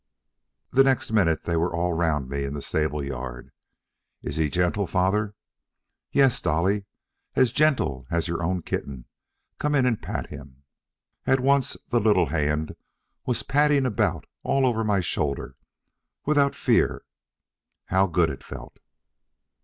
The next minute they were all round me in the stable yard. "Is he gentle, father?" "Yes, Dolly, as gentle as your own kitten; come and pat him." At once the little hand was patting about all over my shoulder without fear. How good it felt!